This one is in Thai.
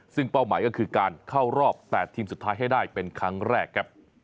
ซึ่งเป้าหมายก็คือการเข้ารอบ๘ทีมสุดท้ายให้ได้เป็นครั้งแรกครับ